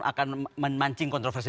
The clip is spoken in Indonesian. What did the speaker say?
akan memancing kontroversi